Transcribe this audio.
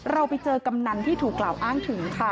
เราไปเจอกำนันที่ถูกกล่าวอ้างถึงค่ะ